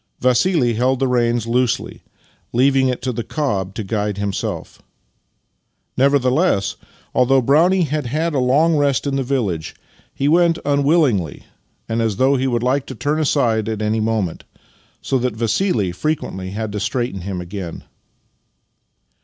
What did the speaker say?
Vassili held the reins loosely, leaving it to the cob to guide himself. Nevertheless, although Brownie had had a long rest in the village, he went Master and Man 33 unwillingly, and as though lie would like to turn aside at any moment, so that Vassili frequently had to straighten him again.